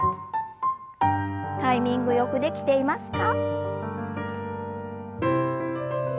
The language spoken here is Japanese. タイミングよくできていますか？